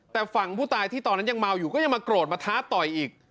แต่ฝั่งผู้ตายที่ตอนนั้นยังเมาอยู่ก็ยังมาโกรธมาท้าต่อยอีก